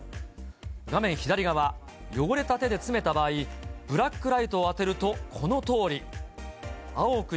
画面左側、汚れた手で詰めた場合、ブラックライトを当てると、このとおり。青く